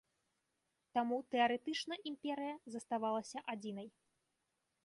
Таму тэарэтычна імперыя заставалася адзінай.